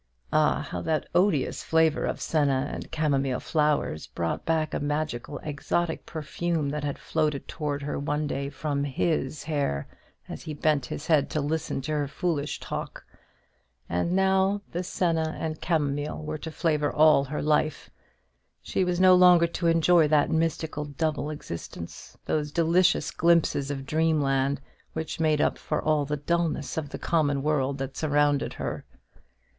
Ah, how that odious flavour of senna and camomile flowers brought back a magical exotic perfume that had floated towards her one day from his hair as he bent his head to listen to her foolish talk! And now the senna and camomile were to flavour all her life. She was no longer to enjoy that mystical double existence, those delicious glimpses of dreamland, which made up for all the dulness of the common world that surrounded her.